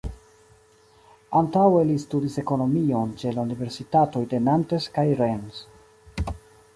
Antaŭe li studis ekonomion ĉe la universitatoj de Nantes kaj Rennes.